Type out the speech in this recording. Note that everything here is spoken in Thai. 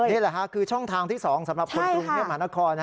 นี่แหละค่ะคือช่องทางที่๒สำหรับคนกรุงเทพมหานคร